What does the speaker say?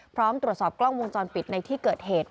พร้อมตรวจสอบกล้องวงจรปิดในที่เกิดเหตุ